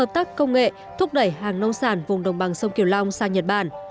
thúc đẩy hàng nông sản vùng đồng bằng sông kiều long sang nhật bản